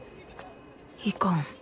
いかん